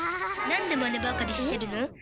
なんでマネばかりしてるの？